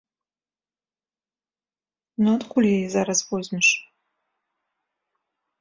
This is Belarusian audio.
Ну, адкуль яе зараз возьмеш?